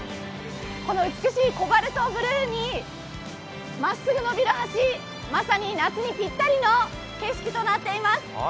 この美しいコバルトブルーにまっすぐのびる橋、まさに夏にぴったりの景色となっています。